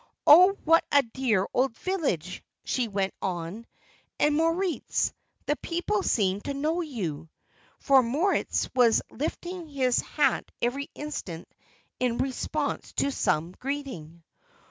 Oh, what a dear old village!" she went on. "And, Moritz, the people seem to know you." For Moritz was lifting his hat every instant in response to some greeting.